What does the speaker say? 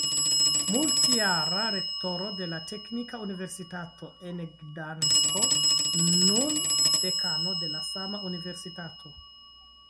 Multjara rektoro de la Teknika Universitato en Gdansko, nun dekano de la sama universitato.